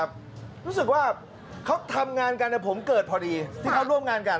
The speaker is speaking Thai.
รู้สึกว่าเขาทำงานกันผมเกิดพอดีที่เขาร่วมงานกัน